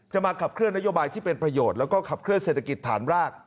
มาขับเคลื่อนนโยบายที่เป็นประโยชน์แล้วก็ขับเคลื่อเศรษฐกิจฐานราก